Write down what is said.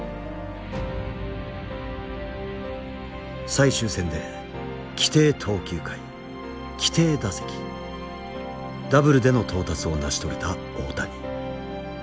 最終戦で規定投球回規定打席ダブルでの到達を成し遂げた大谷。